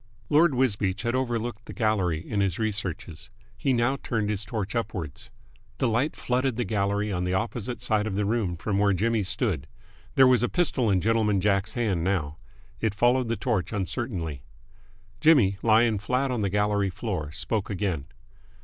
Lord Wisbeach had overlooked the gallery in his researches. He now turned his torch upwards. The light flooded the gallery on the opposite side of the room from where Jimmy stood. There was a pistol in Gentleman Jack's hand now. It followed the torch uncertainly. Jimmy, lying flat on the gallery floor, spoke again.